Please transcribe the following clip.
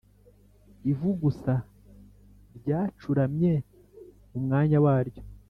ivu gusa ryacuramye mu mwanya waryo.